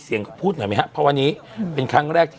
เสียงเขาพูดหน่อยไหมฮะเพราะวันนี้เป็นครั้งแรกที่